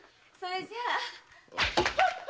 それじゃあ。